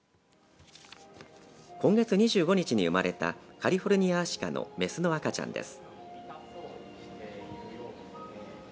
今月２５日に生まれたカリフォルニアアシカの雌の赤ちゃんです。